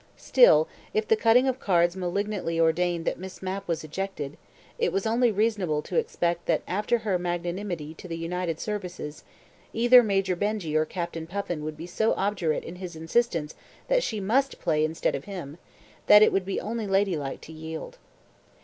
Still, if the cutting of cards malignantly ordained that Miss Mapp was ejected, it was only reasonable to expect that after her magnanimity to the United Services, either Major Benjy or Captain Puffin would be so obdurate in his insistence that she must play instead of him, that it would be only ladylike to yield.